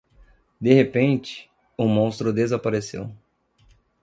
De repente, o monstro desapareceu.